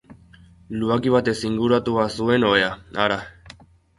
Lubaki batez inguratua zuen ohea, hara!